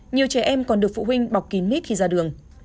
nhiều trẻ em còn được phụ huynh bọc kín mít khi ra đường